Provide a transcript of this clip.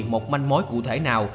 một manh mối cụ thể nào